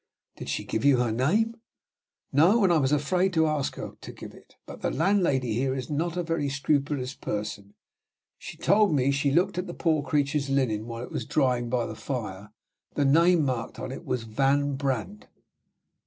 "Did she give you her name?" "No, and I was afraid to ask her to give it. But the landlady here is not a very scrupulous person. She told me she looked at the poor creature's linen while it was drying by the fire. The name marked on it was, 'Van Brandt.'"